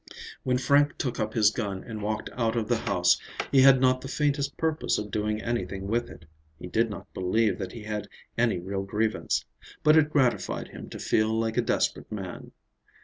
When Frank took up his gun and walked out of the house, he had not the faintest purpose of doing anything with it. He did not believe that he had any real grievance. But it gratified him to feel like a desperate man.